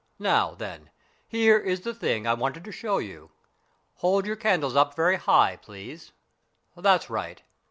Now, then, here is the thing I wanted to show you. Hold your candles up very high, please. That's right.